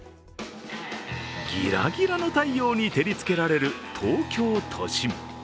ギラギラの太陽に照りつけられる東京都心。